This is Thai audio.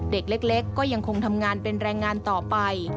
เด็กเล็กก็ยังคงทำงานเป็นแรงงานต่อไป